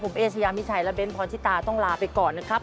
ผมเอชยามิชัยและเน้นพรชิตาต้องลาไปก่อนนะครับ